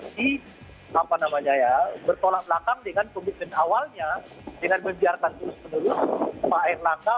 di apa namanya ya bertolak belakang dengan komitmen awalnya dengan membiarkan terus menerus pak erlangga